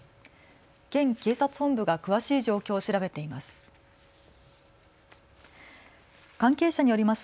県警察本部が詳しい状況を調べています。